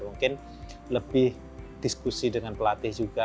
mungkin lebih diskusi dengan pelatih juga